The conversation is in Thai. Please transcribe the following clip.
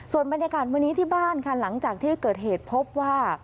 ส่วนบรรยากาศวันนี้ที่บ้านค่ะหลังจากที่เกิดเหตุพบว่า